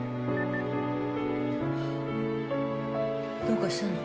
どうかしたの？